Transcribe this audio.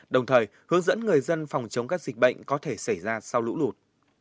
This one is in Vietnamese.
đồng thời hướng dẫn người dân phòng chống các dịch bệnh có thể xảy ra sau lũ lụt